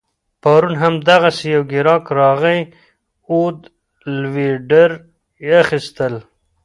پرون هم دغسي یو ګیراک راغی عود لوینډر يې اخيستل